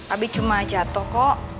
abi cuma jatuh kok